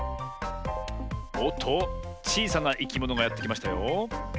おっとちいさないきものがやってきましたよ。